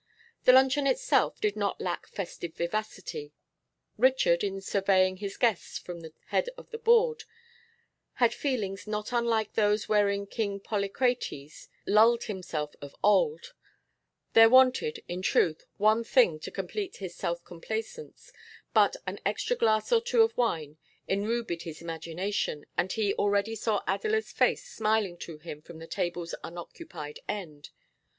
The luncheon itself did not lack festive vivacity; Richard, in surveying his guests from the head of the board, had feelings not unlike those wherein King Polycrates lulled himself of old; there wanted, in truth, one thing to complete his self complacence, but an extra glass or two of wine enrubied his imagination, and he already saw Adela's face smiling to him from the table's unoccupied end.